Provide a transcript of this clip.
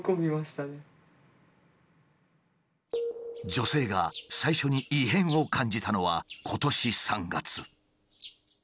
女性が最初に異変を感じたのは今年３月。